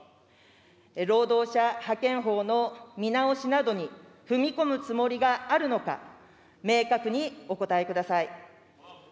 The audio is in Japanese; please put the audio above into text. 労働者派遣法の見直しなどに踏み込むつもりがあるのか、明確にお答えください。